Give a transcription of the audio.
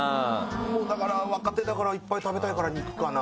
だから若手だからいっぱい食べたいから肉かな？